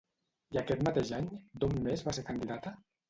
I aquest mateix any, d'on més va ser candidata?